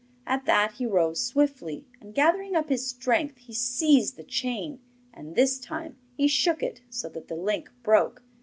At that he rose swiftly, and gathering up his strength, he seized the chain, and this time he shook it so that the link broke.